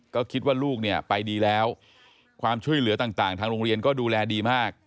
ก็คิดว่าลูกเนี่ยไปดีแล้วความช่วยเหลือต่างทางโรงเรียนก็ดูแลดีมาก